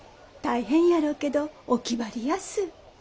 大変やろうけどお気張りやす。